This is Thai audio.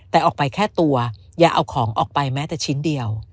แต่ออกไปแค่ตัวอย่าเอาของออกไปแม้แต่ชิ้นเดียว